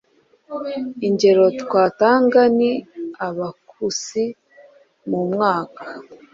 Ingero twatanga ni Abakusi mu mwaka